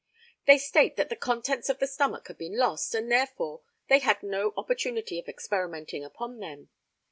They state that the contents of the stomach had been lost, and therefore they had no opportunity of experimenting upon them.